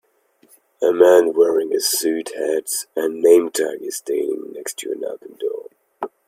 A man wearing a suit, hat, and nametag is standing next to an open door.